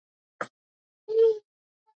روزولټ د شرمن قانون له مخې کمپنۍ وتړله.